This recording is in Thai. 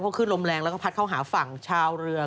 เพราะขึ้นลมแรงแล้วก็พัดเข้าหาฝั่งชาวเรือ